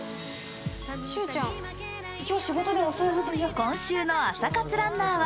今週の朝活ランナーは